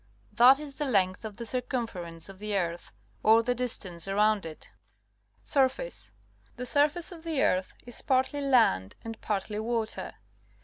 That is the length of the circumference of the earth, or the distance around it. Surface. — The surface of the earth is partly land and partty water.